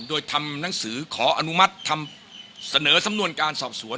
โดยทำหนังสือขออนุมัติเสนอดนี้